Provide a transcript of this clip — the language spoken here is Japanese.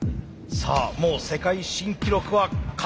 さあもう世界新記録は確定的。